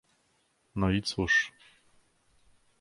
"No i cóż!..."